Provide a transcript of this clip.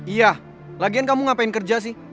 iya lagian kamu ngapain kerja sih